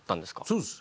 そうです。